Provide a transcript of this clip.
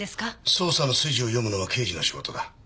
捜査の筋を読むのは刑事の仕事だ。